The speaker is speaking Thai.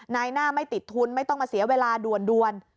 นายหน้าไม่ติดทุนไม่ต้องมาเสียเวลาด่วน